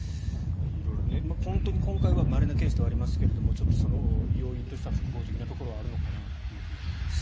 本当に今回はまれなケースではありますがその要因としては複合的なところがあるのかなと思います。